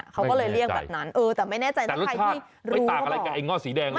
เขาก็เลยเรียกแบบนั้นแต่ไม่แน่ใจถ้าใครที่รู้ก็บอกแต่รสชาติไม่ต่างอะไรกับไอ้เงาะสีแดงเลย